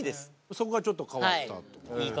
そこがちょっと変わったと。